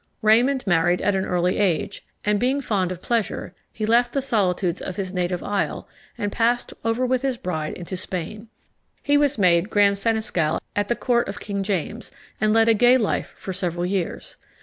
Raymond married at an early age; and, being fond of pleasure, he left the solitudes of his native isle, and passed over with his bride into Spain. He was made Grand Seneschal at the court of King James, and led a gay life for several years.